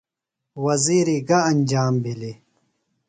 وزیری گہ انجام بِھلیۡ؟